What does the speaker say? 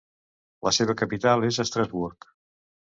La seva capital és Estrasburg.